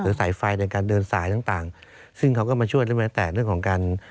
สายไฟในการเดินสายต่างต่างซึ่งเขาก็มาช่วยได้ไหมแต่เรื่องของการ